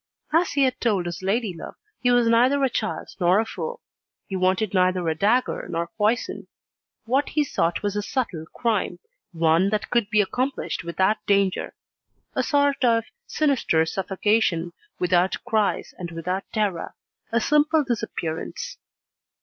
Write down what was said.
As he had told his ladylove, he was neither a child nor a fool. He wanted neither a dagger nor poison. What he sought was a subtle crime, one that could be accomplished without danger; a sort of sinister suffocation, without cries and without terror, a simple disappearance.